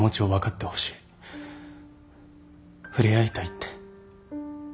触れ合いたいって。